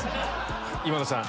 今田さん。